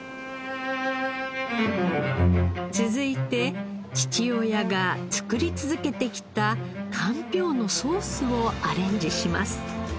続いて父親が作り続けてきたかんぴょうのソースをアレンジします。